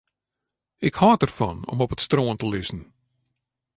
Ik hâld derfan om op it strân te lizzen.